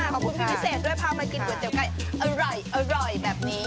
ขอบคุณพี่พิเศษด้วยพามากินก๋วเตี๋ไก่อร่อยแบบนี้